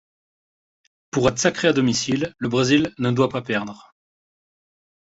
Pour être sacré à domicile, le Brésil ne doit pas perdre.